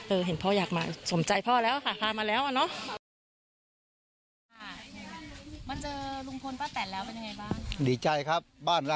เออเห็นพ่อยากมาสมใจพ่อแล้วหามาแล้วอ่ะเนอะ